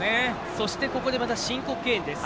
そして、ここで申告敬遠です。